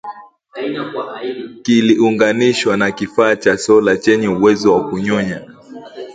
kiliunganishwa na kifaa cha sola chenye uwezo wa kunyonya